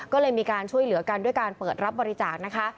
ก็เลยมีการช่วยเหลือกันด้วยการเปิดรับบริจาคนะคะ